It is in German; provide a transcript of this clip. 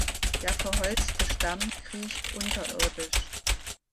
Der verholzte Stamm kriecht unterirdisch.